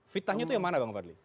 fitnahnya itu yang mana bang fadli